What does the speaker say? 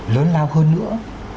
lớn lao hơn nữa